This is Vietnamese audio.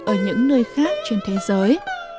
ở những nơi khác trên thế giới